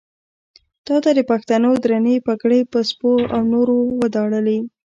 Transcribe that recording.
تا د پښتنو درنې پګړۍ په سپو او نورو وداړلې.